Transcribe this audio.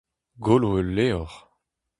Golo ul levr.